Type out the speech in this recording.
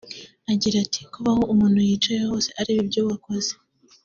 Agira ati ˝Kuba aho umuntu yicaye hose areba ibyo wakoze